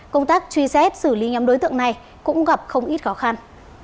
công tác truy xét xử lý nhóm đối tượng này cũng gặp không ít khó khăn